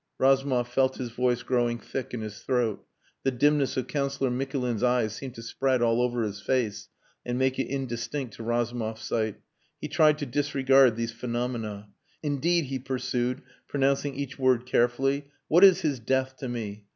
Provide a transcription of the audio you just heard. Razumov felt his voice growing thick in his throat. The dimness of Councillor Mikulin's eyes seemed to spread all over his face and made it indistinct to Razumov's sight. He tried to disregard these phenomena. "Indeed," he pursued, pronouncing each word carefully, "what is his death to me?